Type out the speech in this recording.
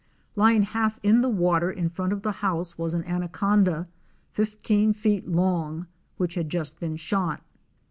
Lying half in the water in front of the house was an anaconda fifteen feet long which had just been shot.